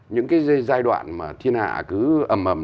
những cái giai đoạn mà thiên hạ cứ ẩm mầm